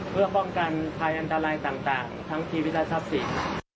เพื่อป้องกันแผนอันตรายต่างทั้งทีวิทยาศัพท์ศิษย์